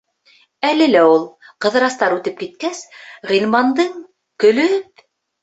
Әле лә ул, Ҡыҙырастар үтеп киткәс, Ғилмандың, көлөп: